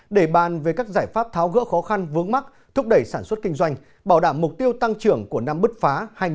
để bàn về các giải pháp tháo gỡ khó khăn vướng mắt thúc đẩy sản xuất kinh doanh bảo đảm mục tiêu tăng trưởng của năm bứt phá hai nghìn hai mươi